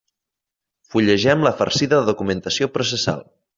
Fullegem la farcida documentació processal.